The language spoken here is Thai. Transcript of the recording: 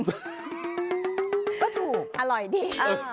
ก็ถูกอร่อยดี